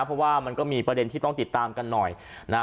เพราะว่ามันก็มีประเด็นที่ต้องติดตามกันหน่อยนะฮะ